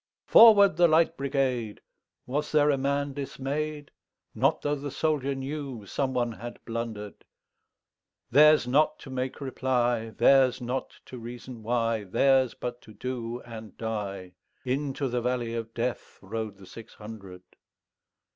"Forward, the Light Brigade!"Was there a man dismay'd? Not tho' the soldier knewSome one had blunder'd:Theirs not to make reply, Theirs not to reason why, Theirs but to do and die:Into the valley of DeathRode the six hundred.